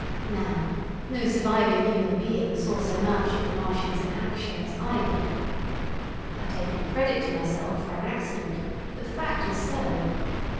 Now no surviving human being saw so much of the Martians in action as I did. I take no credit to myself for an accident, but the fact is so.